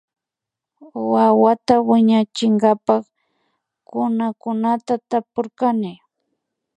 Wawata wiñachinkapa kunakunata tapurkani